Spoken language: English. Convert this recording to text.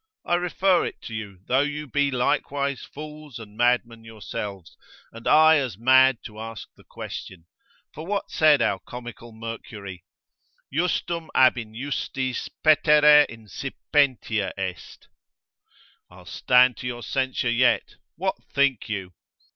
I refer it to you, though you be likewise fools and madmen yourselves, and I as mad to ask the question; for what said our comical Mercury? Justum ab injustis petere insipientia est. I'll stand to your censure yet, what think you?